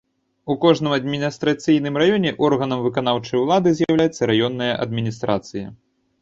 У кожным адміністрацыйным раёне органам выканаўчай улады з'яўляецца раённая адміністрацыя.